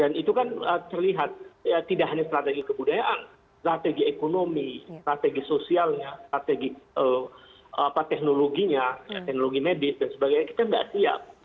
dan itu kan terlihat tidak hanya strategi kebudayaan strategi ekonomi strategi sosialnya strategi teknologinya teknologi medis dan sebagainya kita nggak siap